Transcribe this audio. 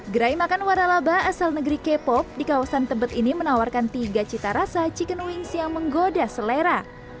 gerai makan waralaba asal negeri k pop di kawasan tebet ini menawarkan tiga cita rasa chicken wings yang menggoda selera